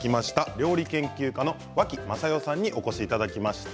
料理研究家の脇雅代さんにお越しいただきました。